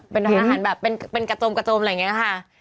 เป็นร้านอาหารแบบเป็นกระโจมอะไรอย่างนี้นะคะ